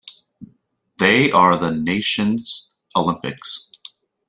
They are the nation's Olympics.